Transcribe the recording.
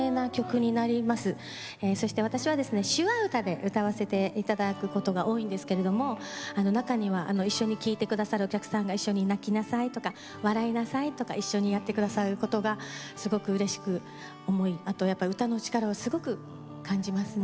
そして私は手話歌で歌わせていただくことが多いんですけれども中には一緒に聴いて下さるお客さんが「泣きなさい」とか「笑いなさい」とか一緒にやってくださることがすごくうれしく思い歌の力をすごく感じますね。